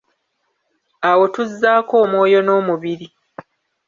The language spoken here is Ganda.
Awo tuzzaako omwoyo n'omubiri.